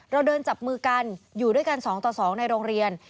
เราเดินจับมือกันอยู่ด้วยกัน๒ต่อ๒ในโรงเรียน